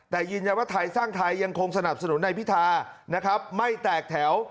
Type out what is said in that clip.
แต่ยืนยันว่าไทยสร้างไทยยังคงสนับสนุนนายพิธานะครับไม่แตกแถว